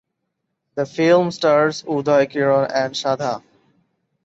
The film stars Uday Kiran and Sadha.